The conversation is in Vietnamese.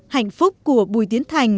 hạnh phúc của bùi tiến thành